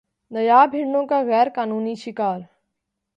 نایاب ہرنوں کا غیر قانونی شکار